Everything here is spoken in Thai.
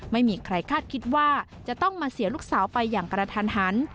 ไม่มีใครคาดคิดว่าจะต้องมาเสียลูกสาวไปอย่างกระทันหัน